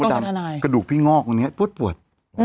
คุณตามก็ตามกระดูกพี่งอกตรงนี้ปวด